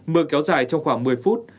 mưa kéo dài trong khoảng một mươi phút